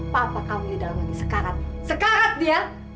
papa kamu ini dalam lagi sekarat sekarat dia